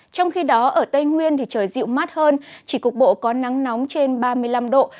trong khi đó ở tây nguyên thì trời dịu mát hơn chỉ cục bộ có nắng nóng trên ba mươi năm độ